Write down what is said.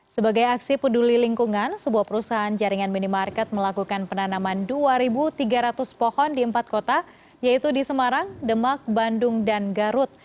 sebagai aksi peduli lingkungan sebuah perusahaan jaringan minimarket melakukan penanaman dua tiga ratus pohon di empat kota yaitu di semarang demak bandung dan garut